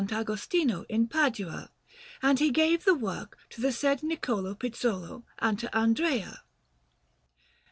Agostino in Padua; and he gave the work to the said Niccolò Pizzolo and to Andrea.